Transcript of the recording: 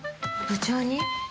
部長に？